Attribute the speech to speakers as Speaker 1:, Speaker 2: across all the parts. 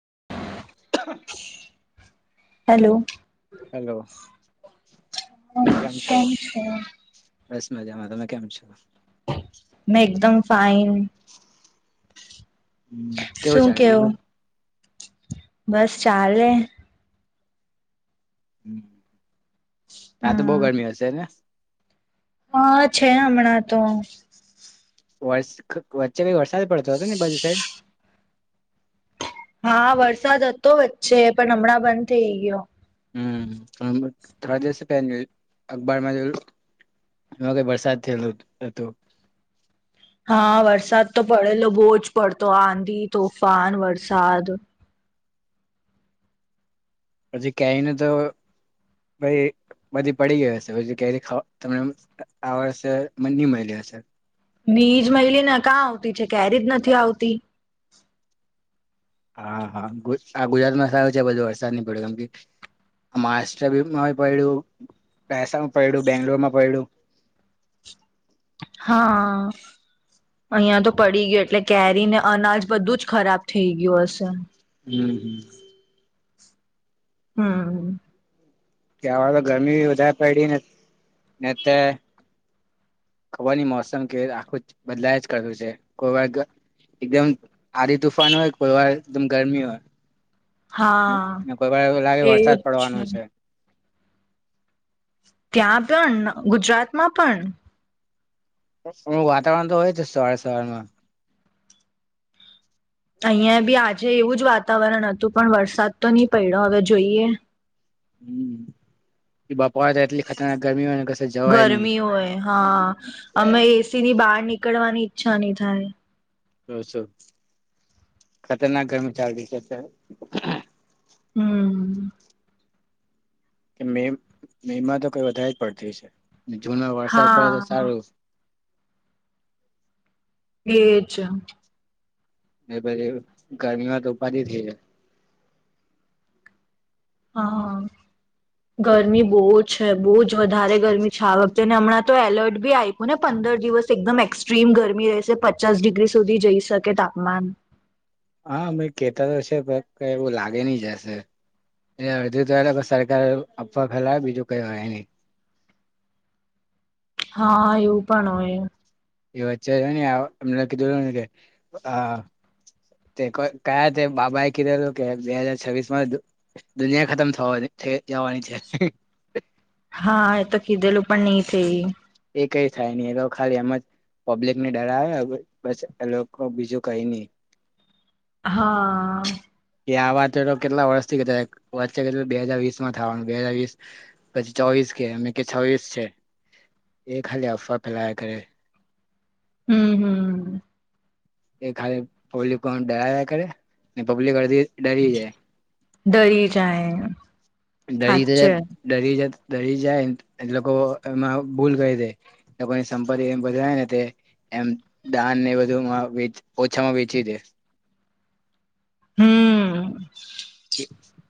Speaker 1: [inaudible]
Speaker 2: Hello.
Speaker 1: Hello કેમ છો
Speaker 2: [inaudible]
Speaker 1: બસ મજામાં. તમે કેમ છો?
Speaker 2: મે એકદમ ફાઈન.
Speaker 1: હમ, કેવું
Speaker 2: શું
Speaker 1: ચાલે
Speaker 2: કેવ?
Speaker 1: બીજું બધું
Speaker 2: બસ ચાલે.
Speaker 1: હમ્મ. તા તો બઉ
Speaker 2: હમ
Speaker 1: ગરમી હશે ને.
Speaker 2: હા, છે હમણાં તો.
Speaker 1: વર્ષ વચ્ચે ભી વર્ષ વધારે પડતો હતો ને બને સાઈડ.
Speaker 2: હા, વરસાદ હતો વચ્ચે પણ હમણાં બંધ થઈ ગયો.
Speaker 1: હમ્મ થોડા દિવસ પેલા અખબારમાં જોલું એમાં વરસાદ થયેલ હ હતું.
Speaker 2: હા, વરસાદ તો પડેલો બહુ જ પડતો આંધી, તોફાન વરસાદ.
Speaker 1: પછી કેરીને તો પ બધી પડી ગઈ હશે પી કેરી ખાવા તમને આ વર્ષે મ ની મૈડી હશે.
Speaker 2: નીજ મહિલીને કાં આવતી છે ક્યારે જ નથી આવતી.
Speaker 1: હા હા આ ગુજરાતમાં સારું છે બધું વરસાદ નહી પડ્યો કેમ કે મહારાષ્ટ્રમાં પડ્યું પહેસામાં પડ્યું બેંગ્લોર માં પડ્યું.
Speaker 2: હા, અહિયાં તો પડી ગયો એટલે કેરીને અનાજ બધું જ ખરાબ થઈ ગયું હશે.
Speaker 1: હમ્મ હમ્મ.
Speaker 2: હમ્મ.
Speaker 1: કે આવા માં ગરમી વધારે પડી ને તે ખબર ન મોસમ કે આખું જ બદલાય જ કરતું છે કોઈ વાર એકદમ આદ તુફાન હોય કોઈ વાર એકદમ ગરમી હોય.
Speaker 2: હા
Speaker 1: કોઈ વાર એવુ લાગે
Speaker 2: એવું
Speaker 1: વરસાદ
Speaker 2: જ
Speaker 1: પડવાનું છે.
Speaker 2: ત્યાં પણ ગુજરાત માં પણ.
Speaker 1: એ વાતાવરણ તો હોય છે સવારે સવારમાં.
Speaker 2: અહિયાં બી આજે એવું જ વાતાવરણ હતું પણ વરસાદ તો નહી પડ્યો હવે જોઈએ.
Speaker 1: હમ કે બાપ નહી
Speaker 2: ગરમી હોય હા અમે એ સી ની બાર નીકળવાની ઈચ્છા નહીં થાય.
Speaker 1: તો શું ખતરનાક ગરમી ચાલતી છે અત્યારે.
Speaker 2: હમ્મ.
Speaker 1: કે મે મે માં તો કઈ વધારે જ પડતી છે. જૂનમાં વરસાદ પડે તો
Speaker 2: હા
Speaker 1: સારું.
Speaker 2: એજ.
Speaker 1: એ પછી ગરમી માં તો ઉપાધી થઈ જાય.
Speaker 2: હા, ગરમી બો છે. બો જ વધારે ગરમી છે. આ વખતેને હમણાં તો એલર્ટ ભી આઈપ મને પંદર દિવસ એકદમ એક્ ટ્રીમ ગરમી રહેશે. પચાસ ડિગ્રી સુધી જઈ શકે તાપમાન.
Speaker 1: હા, ભઈ કેતા તો છે. પણ કઈ એવું લાગે નહી જાશે એ અડધી તો આ લોકો સરકાર અફવા ફેલાવે બીજું કઈ હોય નહી.
Speaker 2: હા, એવું પણ હોય.
Speaker 1: એ વચ્ચે જોની આ એમને કીધેલુ ને કે કયા તે બાબા એ કીધેલુ કે બે હાજર છવ્વીસ માં દુનિયા ખતમ થવાની, થઈ જ જવાની છે.
Speaker 2: છે.
Speaker 1: એ કઈ થાય નહી એ તો ખાલી એમ જ પબ્લિક ને ડરાવે બસ એ લોકો બીજું કઈ નહી.
Speaker 2: હા
Speaker 1: કે આ વાત કેટલા વર્ષથી કહેતા છે, વચ્ચે બે હાજર વીસ માં થવાનું બે હાજર વીસ પછી ચોવીસ કે કે છોવીસ છે એ ખાલી અફવા ફેલાયા કરે.
Speaker 2: હમ હમ
Speaker 1: એ ખાલી પબ્લિક ડરાવ્યા કરે ને પબ્લિક અડધી ડરી જાય.
Speaker 2: ડરી જાય.
Speaker 1: ડરી તો જ
Speaker 2: હાચે
Speaker 1: ડરી જ દરી જાયને લોકો એમાં ભૂલ કરી દે, લોકોની સંપત્તિ વાંપંપતી હોય ને તે એમ દાનને બધુંમાં ઓછામાં વેચી દે.
Speaker 2: હમ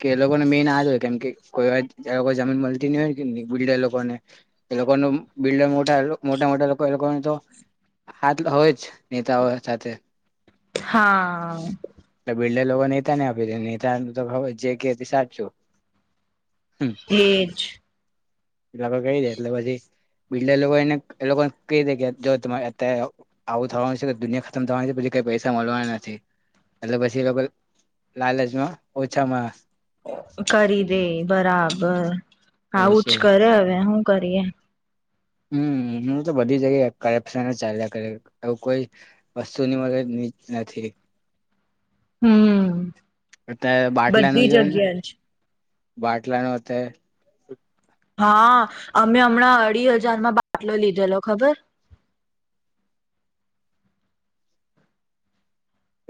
Speaker 1: કે એ લોકોને મેઇન હાથ હોય કેમ કે કોઈ વા લોકો જમીન મળતી ન હોય કે બિલ્ડર લોકોને એ લોકો બિલ્ડર મોટા મોટા મોટા લોકો એ લોકોને તો હાથ હોય જ નેતાઓ સાથે.
Speaker 2: હા
Speaker 1: બિલ્ડર લોકો નેતાને આપી ડે ને [unintelligible] જે કેતી સાચું
Speaker 2: એજ
Speaker 1: એ લોકો કહી દે એટલે પછી બિલ્ડર લોકો એને એ લોકો કહી દે કે જો તમારે અત્યારે આવું થવાનું છે તો દુનિયા ખતમ થવાની છે પછી કઈ પૈસા મળવાના નથી. એટલે પછી એ લોકો લાલચમાં ઓછામાં
Speaker 2: કરી દે બરાબ બ આવું જ કરે હવે હું. કરીએ
Speaker 1: હમ હું તો બધી જગ્યાએ કરપ્શન ચાલ્યા કર એવું કોઈ વસ્તુ ની મળે નથી
Speaker 2: હમ
Speaker 1: અત્યારે
Speaker 2: બધી જગ્યા જ
Speaker 1: બાટલા નોહતા
Speaker 2: હા, અમે હમણાં અઢી હજારમાં બાટલો લીધેલો. ખબર?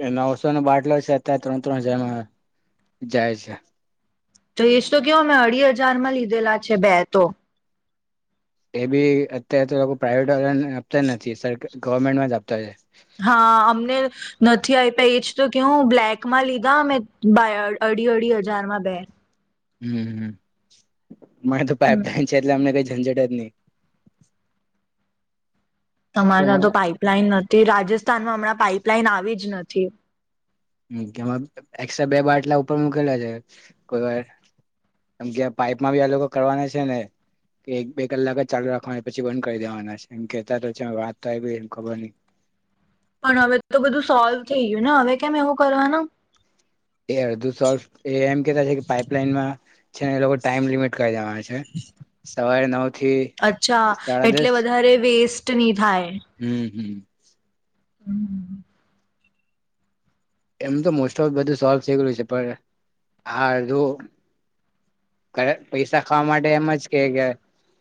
Speaker 1: એ નવસો ન બાટલો છે અત્યારે ત્રણ ત્રણ હજારમાં જાય છે.
Speaker 2: તો એશ તો કેવ અમે અઢી હજાર માં લીધેલા છે બે તો.
Speaker 1: એ બી અત્યારે તો લોકો પ્રાઇવેટ વાળા ને આપતા નથી સર ગવર્મેન્ટમાં જ આપતા હોય છે.
Speaker 2: હા અમને નથી આપ્યા એજ તો કેવ, બ્લેકમાં લીધા અમે અઢી અઢી હજારમાં બે.
Speaker 1: હમ હમ મારે તો
Speaker 2: હમ
Speaker 1: પાઈપલાઈન છે. એટલે અમને કઈ ઝંઝટ જની
Speaker 2: તમારે તં તો પાઈપલાઈન નથ રાજસ્થાનમાં હમણાં પાઈપલાઈન આવી જ નથી
Speaker 1: માં એકસ બે બાટલા ઉપર મુકેલા છે કોઈ વારમ કે પાઈપમાં બી આ લોકો કરવાના છે ને કે એક બે કલાક જ ચાલુ રાખવાની પછી બંધ કરી દેવાના છે એમ કેતા વાત તો આવી ગ એ ખબર નહી
Speaker 2: પણ હવે તો બધું સોલ્વ થઈ ગયું ને હવે કેમ એવું કરવાનું
Speaker 1: એદ સ્વલ્પ એ એમ કે પાઈપલાઈનમાં છે ને એ લોકો ટાઈમ લિમિટ કરી દેવાના છે સવારે નવ થી
Speaker 2: અચ્છા
Speaker 1: સાડા દસ
Speaker 2: એટલે વધારે વેસ્ટ [inaudible]
Speaker 1: હમ હમ
Speaker 2: હમ
Speaker 1: એમ તો મોસ્ટ ઓફ બધું સોલ્વ થઈ ગું છે પણ આડધું પૈસા ખાવા માટે એમ જ કે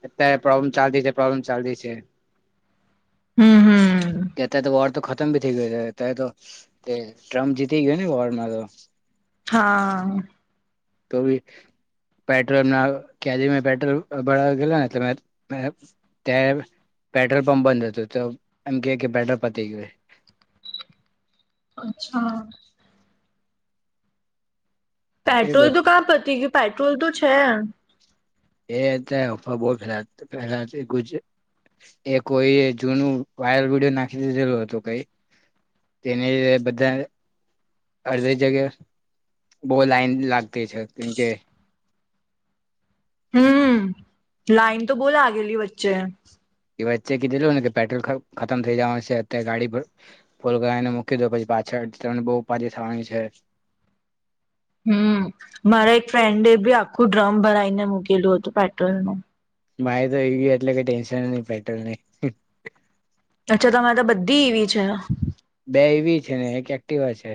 Speaker 1: અત્યારે પ્રોબ્લેમ ચાલતી છે પ્રોબ્લેમ ચાલતી છે
Speaker 2: હમ હમ
Speaker 1: કેતા તો વર તો ખત થઈ ગયો તો તે ટ્રમ્પ જીતી ગયો ને વોરમાં તો
Speaker 2: હા
Speaker 1: તોમે પેટ્રોલ ના કદી પેટ્રોલ ગ ને ત પેટ્રોલ પંપ બંધ હતો તો એમ કે કે પેટ્રોલ પતી ગયયોું
Speaker 2: અચ્છા
Speaker 1: એ
Speaker 2: પેટ્રોલ તો
Speaker 1: બધ
Speaker 2: કા પતી ગયું પેટ્રોલ તો હે,
Speaker 1: એ અત્યારે અફવા બહ ફેલાલા ગ એ કોઈ જૂનું વાયરલ વિડીયો નાખી દીધેલું હતું. કઈ તેને લ બધા અડધી જગ્યા બઉ લાઈન લાગતી છે. કેમકે,
Speaker 2: હમ, લાઈન તો બોલા આગેલી વચ્ચે.
Speaker 1: એ વચ્ચે કીધેલું ને કે પેટ્રોલ ખતમ થઇ જવાનું છે. અત્યારે ગાડી ફોલને મૂકી દો પછી પાછળ બહુ પા થવાની છે.
Speaker 2: હમ્મ, મારા એક ફ્રેન્ડ એ બી આખુ તું ડ્રમ ભરાઈને મુકેેલુ હતું. પેટ્રોલ પંપ
Speaker 1: ભાઈ, તો એ ગય એટલે ક ટેન્શન ની પેટ્રોલ નહી.
Speaker 2: અચ્છા, તમારે તો બધી એવી છે.
Speaker 1: બે એવી છે, ને એક એક્ટિવા છે.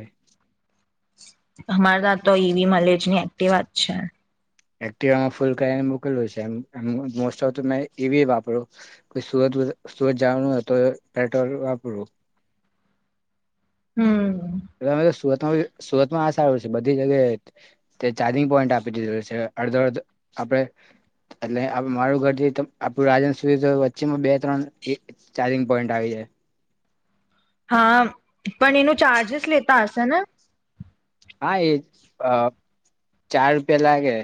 Speaker 2: અમારે, ત્યા તો ઈવી મલેજ ની એકી વાત છે.
Speaker 1: એક્ટિવામાં ફૂલ કરીને મોકલું છે. મોસ્ટ ઓફ તો મે એવી વાપર્યું સુત સુરત જવાનું હો તો પેટ્રોલ વાપરું.
Speaker 2: હમ્મ,
Speaker 1: એ અ તો સુરતમાં સુરતમાં આ સારું છે. બધી જગ્યાએ તે ચાર્જિંગ પોઈન્ટ આપી દીધું છે. અડધો અડધ આપણે એટલે મારું ઘરથી આપણું રાજ સુ વચ્ચેમાં બે ત્રણ ચાર્જિંગ પોઈન્ટ આવી જાય.
Speaker 2: હા, પણ એનું ચાજીશ લેતા હશે ને
Speaker 1: હા, એ અ ચાર રૂપિયા લાગે.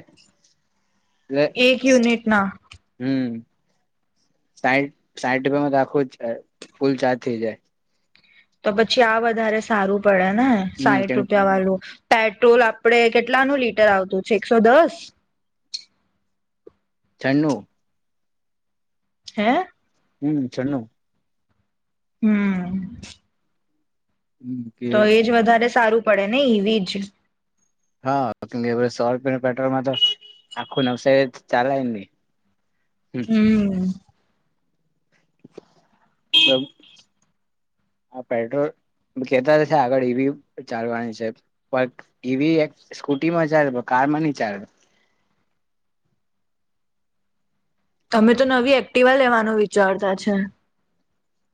Speaker 1: એટલે
Speaker 2: એક યુનિટના
Speaker 1: સાહીઠ સાહીઠ રૂપિયામાં તો આખું જ ફૂલ ચાજ થઈ જાય.
Speaker 2: તો પછી આ વધારે સારું પડે. ના
Speaker 1: હમ
Speaker 2: સાઈઠ
Speaker 1: કેમ
Speaker 2: રૂપિયાવાળું. પેટ્રોલ આપડે કેટલાનું લીટર આવતું છે? એકસો દસ.
Speaker 1: થનુ
Speaker 2: હે,
Speaker 1: હમ્મ, છનું
Speaker 2: હમ્મ,
Speaker 1: હમ કે
Speaker 2: તો એજ વધારે સારું પડેને. ઈવી જ
Speaker 1: હ, કે સો રૂપિયાનું પેટ્રોલમાં તો આખું નવસારી ચાલેયની.
Speaker 2: હમ્મ.
Speaker 1: આ પેટ્રોલ કેતાશે આગળ ઈવી ચાલવાની છે. પણ ઈવી એક સ્કૂટીમાં ચાલે કારમાં ની ચાલે.
Speaker 2: તમે તો નવી એક્ટિવા લેવાનું વિચારતા છે.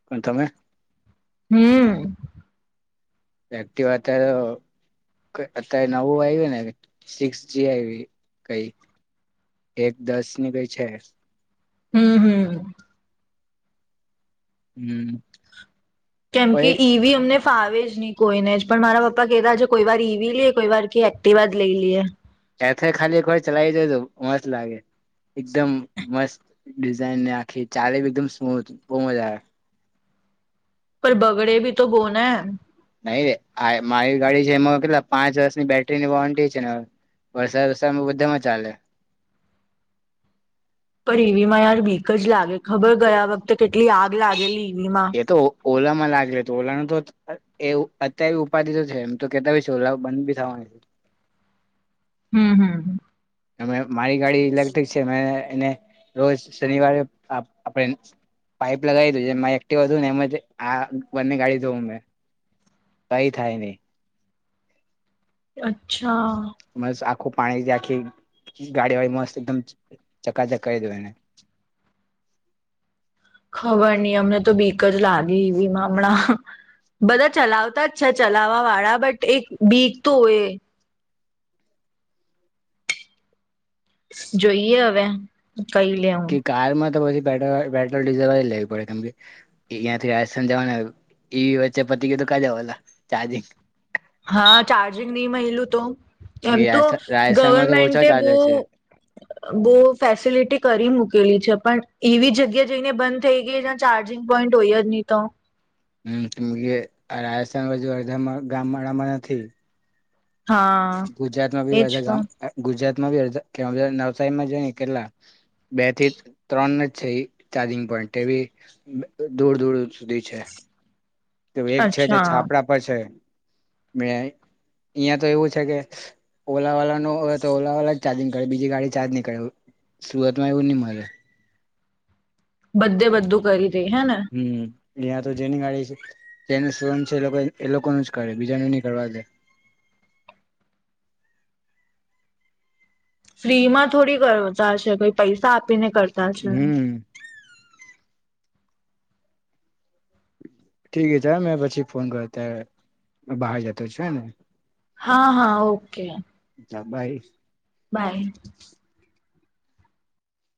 Speaker 1: કોણ તમે?
Speaker 2: હમ્મ.
Speaker 1: એક્ટિવા અત્યારે અ કઈ નવું આવ્યું ને સિક્સજી આઈવી કઈ એક દસ ની કઈ છે.
Speaker 2: હમ્મ. હમ્મ.
Speaker 1: હમ્મ.
Speaker 2: કેમ કે ઈવી અમને ફાવેે જ નહી કોઈને જ પણ મારા પપ્પા કેતા છે કોઈ વાર ઈવી લઈએ, કોઈવાર કે એક્ટિવા જ લઈ લઈએ.
Speaker 1: એથે ખાલી એકવાર ચલાવી જોજો તો મસ્ત લાગે. એકદમ મસ્ત ડિઝઇનને આખી ચાલે એકમ સ્મૂથ બહુ મજા આવે.
Speaker 2: પર બગડે બી તો બોને.
Speaker 1: નઈરે આ મારી ગાડી છે. એમાં કેટલા પાંચ વર્ષની બેટરીની વોરંટી છે. ને વરસાદ વરસાદમાં બધામાં ચાલે.
Speaker 2: પણ એવીમાં યાર બીક જ લાગે ખબર ગયા વખતે કેટલી આગ લાગેલી ઈવીમાં
Speaker 1: એ તો ઓ ઓલામાં લાગે તો ઓલા નુ તો એ અત્યારે એ ઉપાધિ તો છે એમ તો કેતા બી છે ઓલા બંધ ભી થવાની છે.
Speaker 2: હમ્મ હમ્મ.
Speaker 1: એમે ઓ મારી ગાડી ઇલેક્ટ્રિક છે મે એને રોજ શનિવારે આપ આપણે પાઈપ લગાવી દઈએ એમા એક્ટિવા ધોઉંને એમાં આ બંને ગાડી ધોઉં મે કઈ થાય નહિ.
Speaker 2: અચ્છા. હા
Speaker 1: મસ્ત આખું પાણીથી આખી ગાડી વાડી મસ્ત એકદમ ચકાચક કરી દઉં એને.
Speaker 2: ખબર નહી અમને તો બીક જ લાગી એવીમાં હમણાં બધા ચલાવતા જ છે ચલાવવા વાળા બટ એક બીક તો હોય. જોઈએ હવે. કઈ લે હું
Speaker 1: કે કારમાં તો પછી પેટ્રોલવાડી પેટ્રોલ ડીઝલ જ લેવી કેમ કે અહિયાંથી રાજસ્થાન જવાના ઈવી વચ્ચે પતી ગયું તો કા જવાના ચાર્જિંગ
Speaker 2: હા ચાર્જિંગ નહી મઇલું તો
Speaker 1: કેમ
Speaker 2: એમ
Speaker 1: કે
Speaker 2: તો
Speaker 1: રાજસ્થાન રાજસ્થાનમાં તો ઓછા
Speaker 2: ગવર્મેન્ટે બહુ
Speaker 1: ચાર્જર છે
Speaker 2: બહુ ફેસિલિટી કરી મૂકેલી છે પણ એવી જગ્યા જઈને બંધ થઈ ગઈ જ્યાં ચાર્જિંગ પોઈન્ટ હોય જ નહી તો
Speaker 1: હમ્મ રાજસ્થાન બાજુ અડધામાં ગામવાડામાં નથી.
Speaker 2: હા
Speaker 1: ગુજરાતમાં બી
Speaker 2: એજ
Speaker 1: અડદા
Speaker 2: તો
Speaker 1: ગામ ગુજરાત [unintelligible] નવસારીમાં જઈ ને કેટલા બે થી ત્રણ જ છે એ ચાર્જિંગ પોઈન્ટ એવી દૂર-દૂર સુધી છે. તો એક છે જે
Speaker 2: અચ્છા
Speaker 1: છાપડા પર છે. ને અહીંયા તો એવું છે કે ઓલાવાળનુ હોય તો ઓલા વાળ જ ચાર્જિંગ કરે બીજી ગાડી ચાર્જ ની કરે સુરતમાં એવું ની મળે.
Speaker 2: બધે બધું કરી ઈ હે ને.
Speaker 1: હમ ત્યાં તો જેની ગડી છે જેનું સન છે એ લોકો એ લોકોનું જ કરે બીજાનું નહી કરવા દે.
Speaker 2: ફ્રી માં થોડી ઘાશે કોઈ પૈસા આ આપીને કરતા છે.
Speaker 1: હમ ઠીક હ ચાલ મેં પછી ફોન કર ત્યારે બહાર જતો છે ને.
Speaker 2: હા હા ઓકે.
Speaker 1: ચાલ બાઇ.
Speaker 2: બાય.